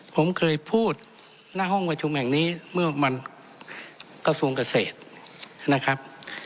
ผมเคยพูดหน้าห้องประชุมแห่งนี้เมื่อมันกระทรวงเกษตรนะครับ